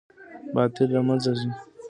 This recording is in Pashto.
باطل له منځه ځي